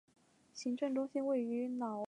行政中心位于瑙沙罗费洛兹市。